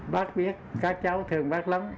bác biết các cháu thương bác lắm